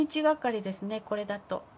これだと。